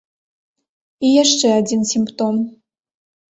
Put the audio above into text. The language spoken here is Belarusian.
І яшчэ адзін сімптом.